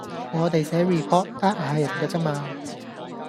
我哋寫 Report 呃下人㗎咋嘛